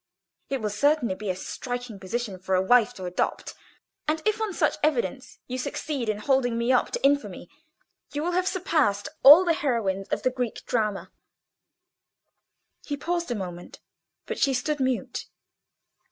It will certainly be a striking position for a wife to adopt. And if, on such evidence, you succeed in holding me up to infamy, you will have surpassed all the heroines of the Greek drama." He paused a moment, but she stood mute.